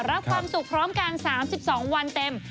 รับความสุขพร้อมกัน๓๒วันเต็ม